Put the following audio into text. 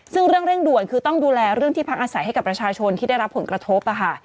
ซึ่งเรื่องเร่งด่วนคือต้องดูแลเรื่องที่พักอาศัยให้กับประชาชนที่ได้รับผลกระทบ